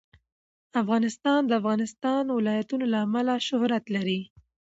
افغانستان د د افغانستان ولايتونه له امله شهرت لري.